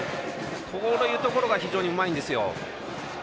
こういうところが非常にうまいんですよ。